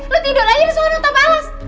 lu tidur aja disuruh nonton balas